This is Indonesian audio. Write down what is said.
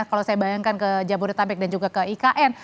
kalau saya bayangkan ke jabodetabek dan juga ke ikn